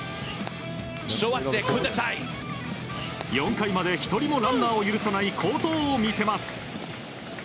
４回まで１人もランナーを許さない好投を見せます。